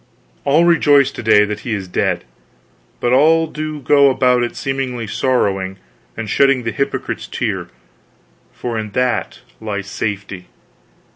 All rejoice to day that he is dead, but all do go about seemingly sorrowing, and shedding the hypocrite's tear, for in that lies safety.